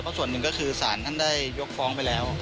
ส่วนหนึ่งก็คือสารท่านได้ยกฟ้องไปแล้ว